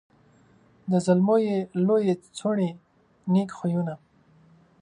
د زلمو یې لويي څوڼي نېک خویونه